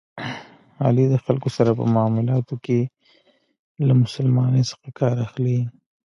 علي د خلکو سره په معاملاتو کې له مسلمانی څخه کار اخلي.